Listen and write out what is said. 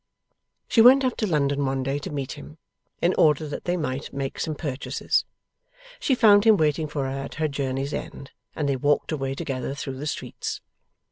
She went up to London one day, to meet him, in order that they might make some purchases. She found him waiting for her at her journey's end, and they walked away together through the streets.